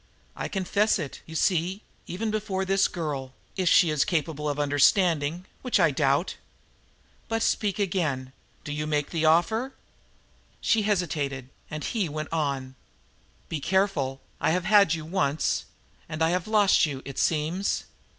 I confess it, you see, even before this poor girl, if she is capable of understanding, which I doubt. But speak again do you make the offer?" She hesitated, and he went on: "Be careful. I have had you once, and I have lost you, it seems.